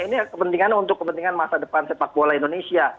ini kepentingan untuk kepentingan masa depan sepak bola indonesia